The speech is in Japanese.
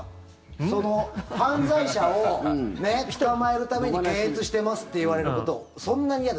その、犯罪者を捕まえるために検閲してますって言われることそんなに嫌だ？